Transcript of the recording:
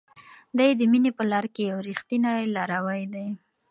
دی د مینې په لار کې یو ریښتینی لاروی دی.